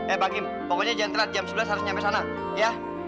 eh bang im pokoknya jangan telat jam sebelas harus nyampe sana ya